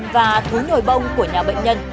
và thú nồi bông của nhà bệnh nhân